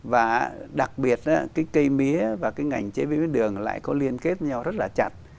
và đặc biệt cái cây mía và cái ngành chế biến cái đường lại có liên kết nhau rất là chặt